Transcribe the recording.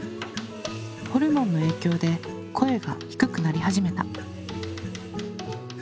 ホルモンの影響で声が低くなり始めた。